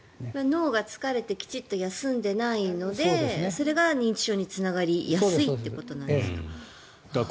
脳が疲れてきちんと休んでないのでそれが認知症につながりやすいということなんですか。